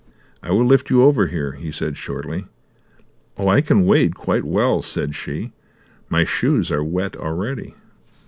"I will lift you over here," he said shortly. "Oh, I can wade quite well," said she. "My shoes are wet already."